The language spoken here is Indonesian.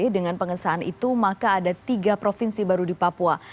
dengan pengesahan itu maka ada tiga provinsi baru di papua